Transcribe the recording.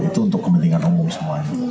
itu untuk kepentingan umum semuanya